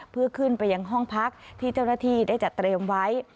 เพื่อขึ้นไปยังห้องพักที่เจ้าหน้าที่ได้จัดเตรียมไว้